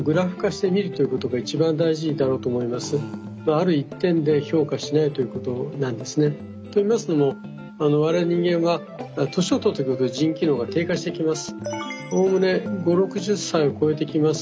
ある一点で評価しないということなんですね。と言いますのも我々人間は年を取ってくると腎機能が低下してきます。